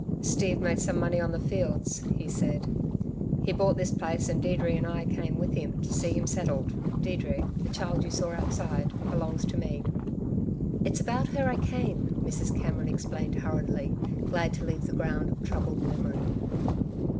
"Steve made some money on the fields," he said. "He bought this place and Deirdre and I came with him to see him settled. Deirdre the child you saw outside belongs to me." "It's about her I came," Mrs. Cameron explained hurriedly, glad to leave the ground of troubled memory.